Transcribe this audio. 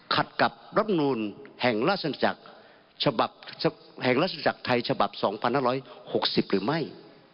ขัดกับรัฐมนูลแห่งราชนาจักรฉบับแห่งราชจักรไทยฉบับ๒๕๖๐หรือไม่